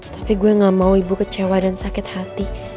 tapi gue gak mau ibu kecewa dan sakit hati